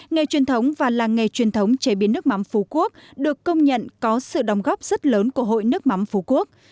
nghề truyền thống và làng nghề truyền thống chế biến nước mắm phú quốc được công nhận có sự đóng góp rất lớn của hội nước mắm phú quốc